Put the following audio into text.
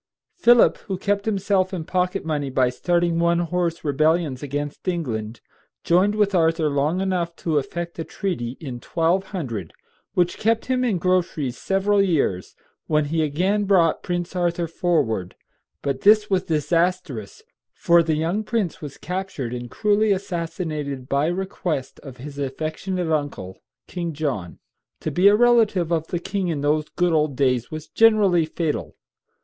Philip, who kept himself in pocket money by starting one horse rebellions against England, joined with Arthur long enough to effect a treaty, in 1200, which kept him in groceries several years, when he again brought Prince Arthur forward; but this was disastrous, for the young prince was captured and cruelly assassinated by request of his affectionate uncle, King John. To be a relative of the king in those good old days was generally fatal.